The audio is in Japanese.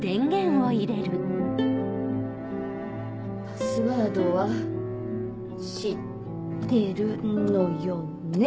パスワードは知ってるのよね！